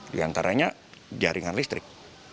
di antaranya jaringan listrik